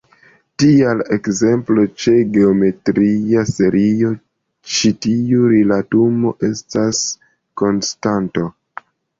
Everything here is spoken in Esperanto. Tial, ekzemple, ĉe geometria serio, ĉi tiu rilatumo estas konstanto.